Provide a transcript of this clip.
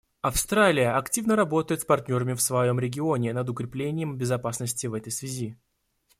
Австралия активно работает с партнерами в своем регионе над укреплением безопасности в этой связи.